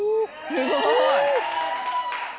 すごい！